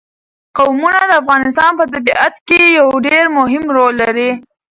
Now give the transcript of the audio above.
قومونه د افغانستان په طبیعت کې یو ډېر مهم رول لري.